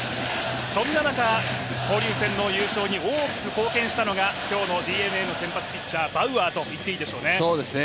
そんな中、交流戦の優勝に大きく貢献したのが今日のＤｅＮＡの先発ピッチャー、バウアーと言っていいでしょうね。